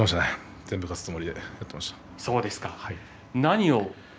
全部勝つつもりでやっていました。